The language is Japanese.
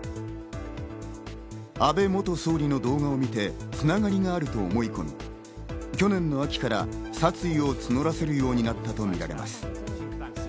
安倍元総理の動画を見て、つながりがあると思い込み、去年の秋から殺意を募らせるようになったとみられます。